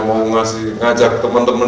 mau ngasih ngajak teman teman